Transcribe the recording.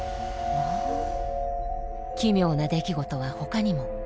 奇妙な出来事はほかにも。